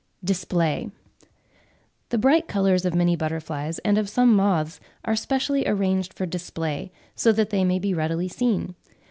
DISPLAY. The bright colours of many butterflies and of some moths are specially arranged for display, so that they may be readily seen.